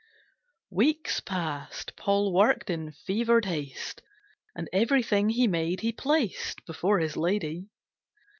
Weeks passed, Paul worked in fevered haste, And everything he made he placed Before his lady.